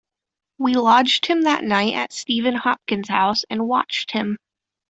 We lodged him that night at Stephen Hopkins' house, and watched him.